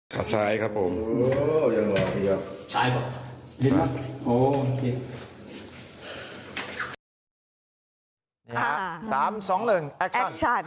ครับทรายครับผมโอ้โหอย่างน่ะตรงนี้